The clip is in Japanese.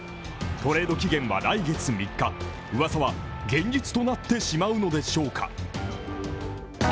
トレード期限は来月３日うわさは現実となってしまうのでしょうか。